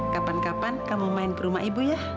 kapan kapan kamu main ke rumah ibu ya